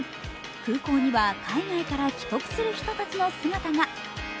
空港には海外から帰国する人たちの姿が。